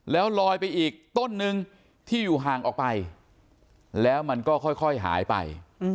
แล้วลอยไปอีกต้นนึงที่อยู่ห่างออกไปแล้วมันก็ค่อยหายไป